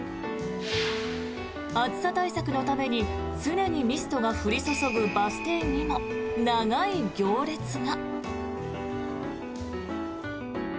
暑さ対策のために常にミストが降り注ぐバス停にも長い行列が。